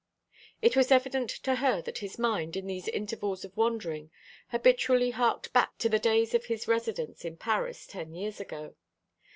It was evident to her that his mind, in these intervals of wandering, habitually harked back to the days of his residence in Paris, ten years ago.